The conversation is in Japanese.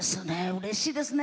うれしいですね。